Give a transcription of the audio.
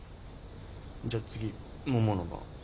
じゃあ次ももの番。